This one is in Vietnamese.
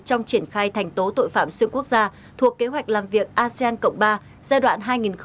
trong triển khai thành tố tội phạm xuyên quốc gia thuộc kế hoạch làm việc asean cộng ba giai đoạn hai nghìn hai mươi một hai nghìn hai mươi năm